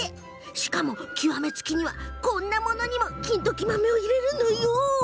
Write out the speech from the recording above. しかもね、極め付きにはこんなものにも金時豆を入れちゃうの。